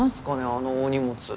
あの大荷物。